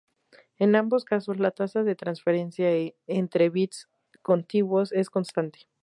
En ambos casos la tasa de transferencia entre bits contiguos es constante.